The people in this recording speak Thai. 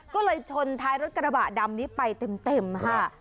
ก็เลยชนท้ายรถกระบะดำนี้ไปเต็มค่ะ